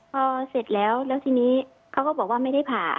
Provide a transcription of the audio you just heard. พอเสร็จแล้วแล้วทีนี้เขาก็บอกว่าไม่ได้ผ่า